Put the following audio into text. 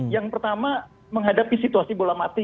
yang pertama menghadapi situasi bola mati